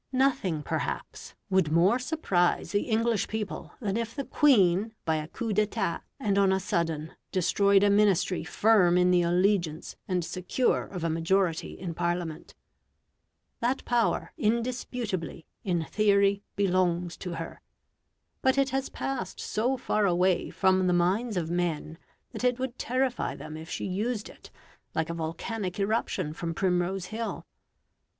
Nothing, perhaps, would more surprise the English people than if the Queen by a coup d'etat and on a sudden destroyed a Ministry firm in the allegiance and secure of a majority in Parliament. That power, indisputably, in theory, belongs to her; but it has passed so far away from the minds of men that it would terrify them, if she used it, like a volcanic eruption from Primrose Hill.